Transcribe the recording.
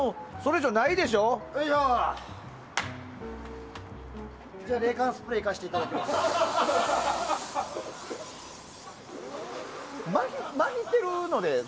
じゃあ、冷感スプレーいかせていただきます。